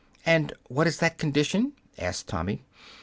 "And what is that condition?" asked Tommy.